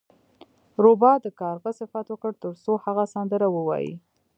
روباه د کارغه صفت وکړ ترڅو هغه سندره ووایي.